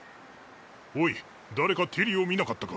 おい誰かティリを見なかったか？